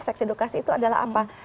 seks edukasi itu adalah apa